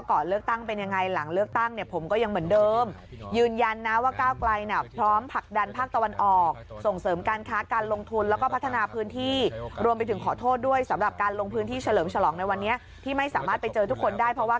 คุณผู้ชมครับคุณผู้ชมครับคุณผู้ชมครับคุณผู้ชมครับคุณผู้ชมครับคุณผู้ชมครับคุณผู้ชมครับคุณผู้ชมครับคุณผู้ชมครับคุณผู้ชมครับคุณผู้ชมครับคุณผู้ชมครับ